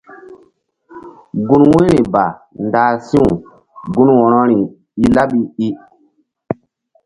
Gun wu̧yri ba ndah si̧w gun wo̧rori i laɓi i.